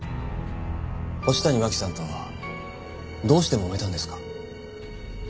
星谷真輝さんとはどうしてもめたんですか？